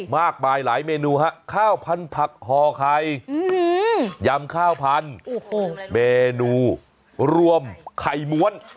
มากมายหลายเมนูฮะข้าวพันธุ์ผักห่อไข่ยำข้าวพันธุ์เมนูรวมไข่ม้วน